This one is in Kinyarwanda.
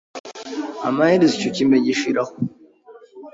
Amaherezo icyo kime gishiraho